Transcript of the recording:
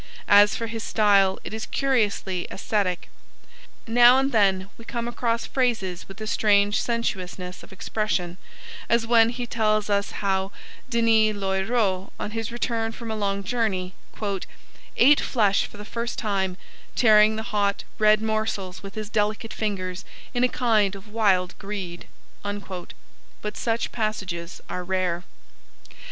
As for his style, it is curiously ascetic. Now and then, we come across phrases with a strange sensuousness of expression, as when he tells us how Denys l'Auxerrois, on his return from a long journey, 'ate flesh for the first time, tearing the hot, red morsels with his delicate fingers in a kind of wild greed,' but such passages are rare.